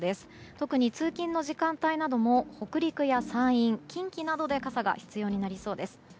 特に通勤の時間帯なども北陸や山陰近畿などで傘が必要になりそうです。